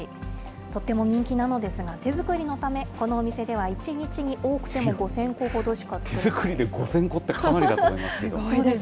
とっても人気なのですが、手作りのため、このお店では、１日に多くても５０００個ほどしか作れないそうです。